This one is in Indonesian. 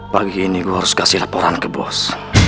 pagi ini gue harus kasih laporan ke bos